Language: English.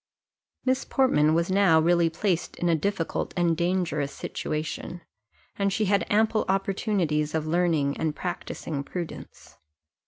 Miss Portman was now really placed in a difficult and dangerous situation, and she had ample opportunities of learning and practising prudence.